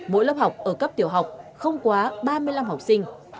mỗi lớp học ở cấp tiểu học không quá ba mươi năm học sinh